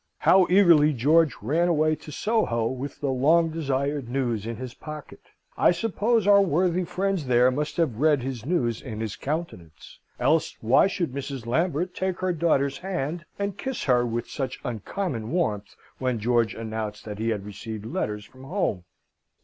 How eagerly George ran away to Soho with the long desired news in his pocket! I suppose our worthy friends there must have read his news in his countenance else why should Mrs. Lambert take her daughter's hand and kiss her with such uncommon warmth, when George announced that he had received letters from home?